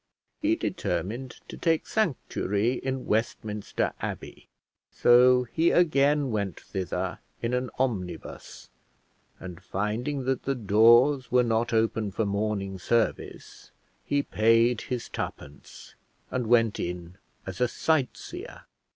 He determined to take sanctuary in Westminster Abbey, so he again went thither in an omnibus, and finding that the doors were not open for morning service, he paid his twopence, and went in as a sightseer.